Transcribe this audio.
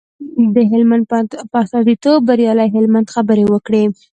د هلمند په استازیتوب بریالي هلمند خبرې وکړې.